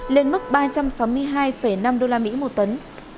lên mức ba trăm sáu mươi hai năm usd một tấn